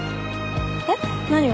えっ？何を？